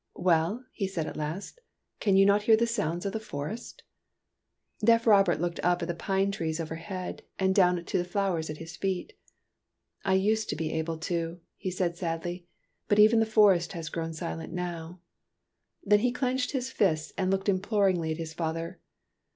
" Well," he said at last, " can you not hear the sounds of the forest ?" Deaf Robert looked up at the pine trees over head and down to the flowers at his feet. " I used to be able to," he said sadly, " but even the forest has grown silent now." Then he clenched his fists and looked imploringly at his father.